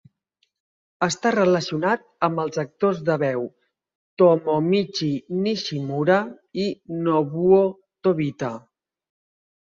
Està relacionat amb els actors de veu Tomomichi Nishimura i Nobuo Tobita.